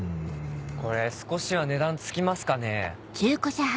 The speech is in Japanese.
これ少しは値段付きますかね？